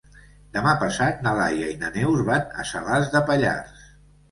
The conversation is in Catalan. Demà passat na Laia i na Neus van a Salàs de Pallars.